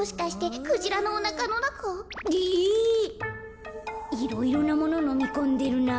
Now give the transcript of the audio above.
いろいろなもののみこんでるなあ。